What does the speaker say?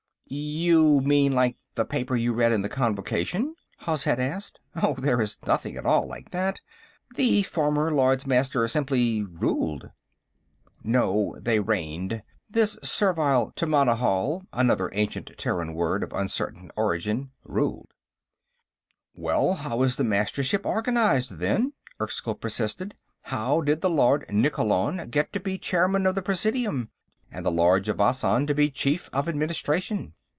"You mean, like the paper you read in the Convocation?" Hozhet asked. "Oh, there is nothing at all like that. The former Lords Master simply ruled." No. They reigned. This servile tammanihal another ancient Terran word, of uncertain origin ruled. "Well, how is the Mastership organized, then?" Erskyll persisted. "How did the Lord Nikkolon get to be Chairman of the Presidium, and the Lord Javasan to be Chief of Administration?"